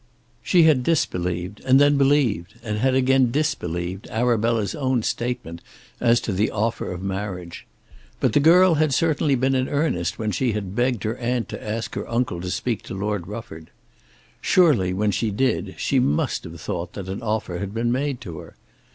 She had disbelieved, and then believed, and had again disbelieved Arabella's own statement as to the offer of marriage. But the girl had certainly been in earnest when she had begged her aunt to ask her uncle to speak to Lord Rufford. Surely when she did she must have thought that an offer had been made to her.